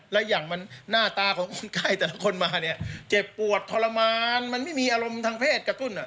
และอย่างมันหน้าตาของคนไข้แต่ละคนมาเนี่ยเจ็บปวดทรมานมันไม่มีอารมณ์ทางเพศกระตุ้นอ่ะ